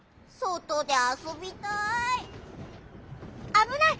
・あぶない！